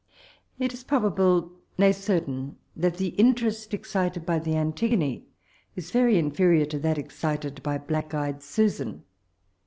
It is probable, nay certain, that the interest excited by the Antigone is very inferior to that excited by Black eyed Susan.